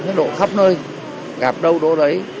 nó đỗ khắp nơi gặp đâu đỗ đấy